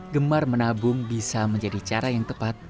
gemar menabung bisa menjadi cara yang tepat